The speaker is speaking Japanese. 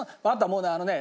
もうねあのね